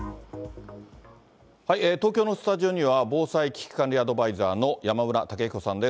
東京のスタジオには、防災危機管理アドバイザーの山村武彦さんです。